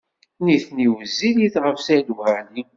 Nitni wezzilit ɣef Saɛid Waɛli.